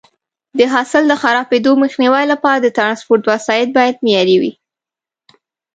د حاصل د خرابېدو مخنیوي لپاره د ټرانسپورټ وسایط باید معیاري وي.